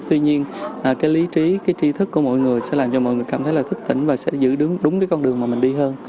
tuy nhiên cái lý trí cái trí thức của mọi người sẽ làm cho mọi người cảm thấy là thức tỉnh và sẽ giữ đúng cái con đường mà mình đi hơn